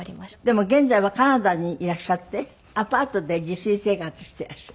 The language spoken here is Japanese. でも現在はカナダにいらっしゃってアパートで自炊生活をしていらっしゃる。